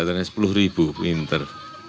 karena sepuluh ribu pinter